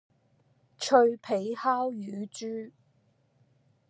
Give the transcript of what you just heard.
脆皮烤乳豬